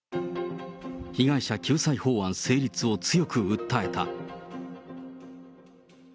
被害者救済法案成立を強く訴えた。